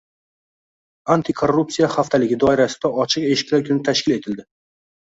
“Antikorrupsiya haftaligi” doirasida “Ochiq eshiklar kuni” tashkil etildi